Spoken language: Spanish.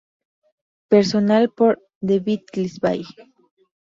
Personal por "The Beatles Bible".